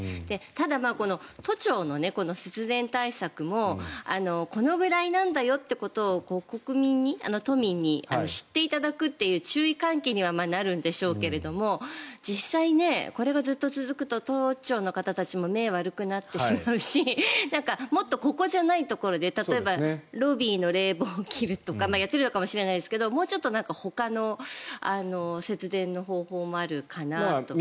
ただ、都庁の節電対策もこのぐらいなんだよということを都民に知っていただくという注意喚起にはなるんでしょうけれども実際、これがずっと続くと都庁の方たちも目が悪くなってしまうしもっとここじゃないところで例えばロビーの冷房を切るとかやっているのかもしれないですけどもうちょっとほかの節電の方法もあるかなと。